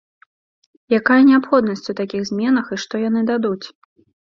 Якая неабходнасць у такіх зменах і што яны дадуць?